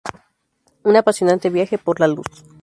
Un apasionante viaje por la luz.